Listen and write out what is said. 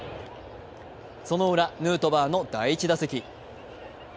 そのウラ、ヌートバーの第１打席。